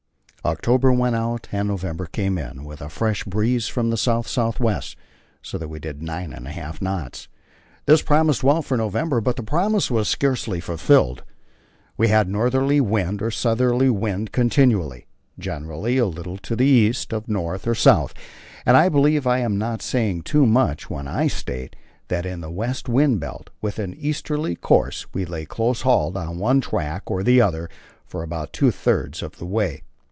October went out and November came in with a fresh breeze from the south south west, so that we did nine and a half knots. This promised well for November, but the promise was scarcely fulfilled. We had northerly wind or southerly wind continually, generally a little to the east of north or south, and I believe I am not saying too much when I state that in the "west wind belt" with an easterly course we lay close hauled on one tack or the other for about two thirds of the way.